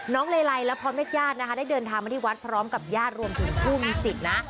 เลไลและพร้อมเด็ดญาตินะคะได้เดินทางมาที่วัดพร้อมกับญาติรวมถึงผู้มีจิตนะ